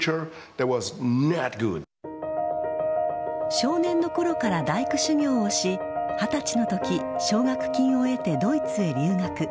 少年のころから大工修行をし２０歳のとき奨学金を得てドイツへ留学。